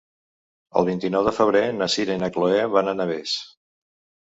El vint-i-nou de febrer na Sira i na Chloé van a Navès.